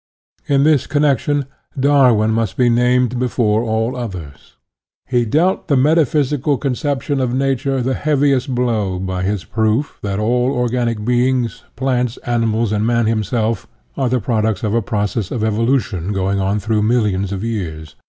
In this connection Darwin must be named before all others. He dealt the metaphysical con ception of Nature the heaviest blow by his proof that all organic beings, plants, ani mals, and man himself, are the products of a process of evolution going on through millions of years.